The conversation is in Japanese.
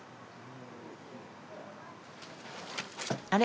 あれ？